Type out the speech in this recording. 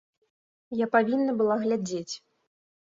Я павінна была глядзець.